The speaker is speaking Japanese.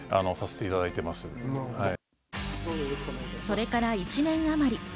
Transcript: それから１年あまり。